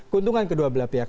keuntungan kedua belah pihak